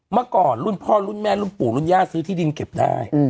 เมื่อก่อนรุ่นพ่อรุ่นแม่รุ่นปู่รุ่นย่าซื้อที่ดินเก็บได้